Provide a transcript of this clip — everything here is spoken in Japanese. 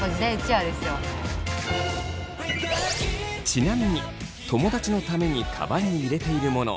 ちなみに友だちのためにカバンに入れているもの